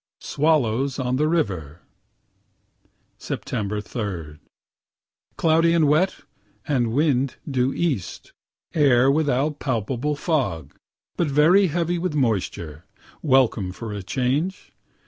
SWALLOWS ON THE RIVER Sept. 3 Cloudy and wet, and wind due east; air without palpable fog, but very heavy with moisture welcome for a change.